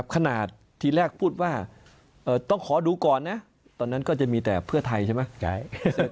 ขนาดทีแรกพูดว่าต้องขอดูก่อนนะตอนนั้นก็จะมีแต่เพื่อไทยใช่ไหม